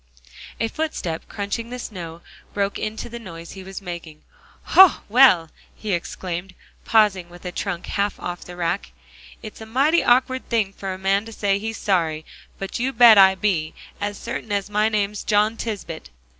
A footstep crunching the snow, broke into the noise he was making. "Hoh! well," he exclaimed, pausing with a trunk half off the rack, "it's a mighty awkward thing for a man to say he's sorry, but you bet I be, as cert'in as my name's John Tisbett."